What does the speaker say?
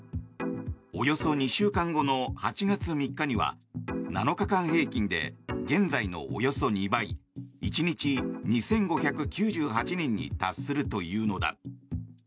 およそ２週間後の８月３日には７日間平均で現在のおよそ２倍１日２５９８人に達するというのだ。